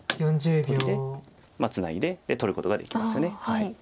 取りでツナいで取ることができますよね。